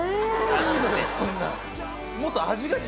いいのよそんなん。